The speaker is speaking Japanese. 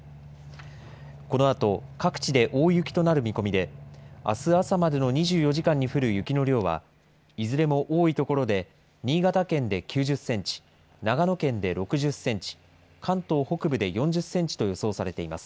このあと、各地で大雪となる見込みで、あす朝までの２４時間に降る雪の量はいずれも多い所で、新潟県で９０センチ、長野県で６０センチ、関東北部で４０センチと予想されています。